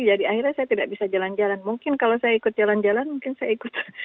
jadi akhirnya saya tidak bisa jalan jalan mungkin kalau saya ikut jalan jalan mungkin saya ikut